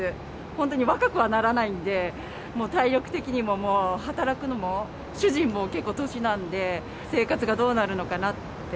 本当に若くはならないんで、体力的にも、もう働くのも、主人も結構年なんで、生活がどうなるのかなって。